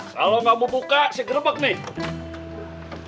kalau nggak mau buka saya gerebek nih